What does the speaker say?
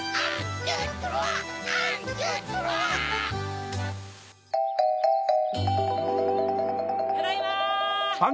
ただいま！